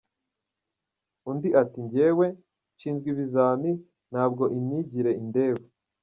Undi ati jyewe nshinzwe ibizami ntabwo imyigire indeba.